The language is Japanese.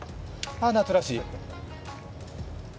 夏らしい。